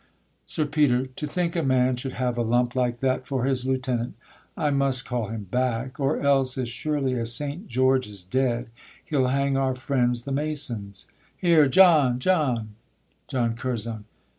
_ SIR PETER. To think a man should have a lump like that For his lieutenant! I must call him back, Or else, as surely as St. George is dead, He'll hang our friends the masons: here, John! John! JOHN CURZON.